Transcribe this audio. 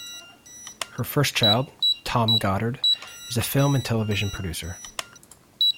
Her first child, Thom Goddard, is a film and television producer.